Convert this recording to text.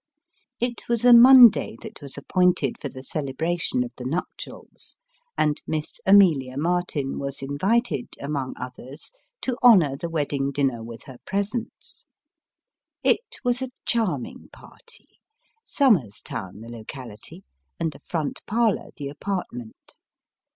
It was a Monday that was appointed for the celebration of the nuptials, and Miss Amelia The Wedding Dinner. 187 Martin was invited, among others, to honour the wedding dinner with her presence. It was a charming party ; Somers Town the locality, and a front parlour the apartment.